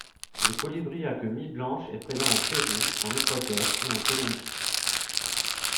Le Colibri à queue mi-blanche est présent au Pérou, en Équateur et en Colombie.